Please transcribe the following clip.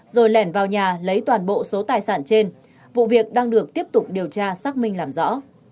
rồi lẻn vào nhà lấy toàn bộ số tài sản trên vụ việc đang được tiếp tục điều tra xác minh làm rõ